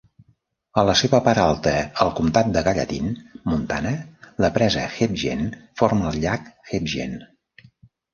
A la seva part alta al comtat de Gallatin, Montana, la presa Hebgen forma el llac Hebgen.